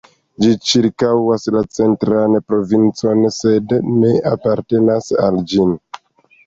Ĝi ĉirkaŭas la Centran Provincon sed ne apartenas al ĝin.